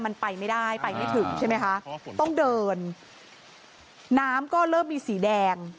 มันไปไม่ได้ไปไม่ถึงใช่ไหมคะต้องเดินน้ำก็เริ่มมีสีแดง